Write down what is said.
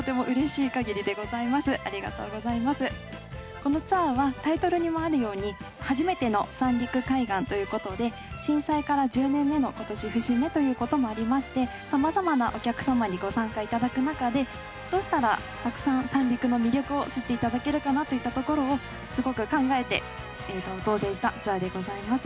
このツアーはタイトルにもあるようにはじめての三陸海岸ということで震災から１０年目の今年節目ということもありましてさまざまなお客様にご参加いただくなかでどうしたらたくさん三陸の魅力を知っていただけるかなといったところをすごく考えてツアーでございます。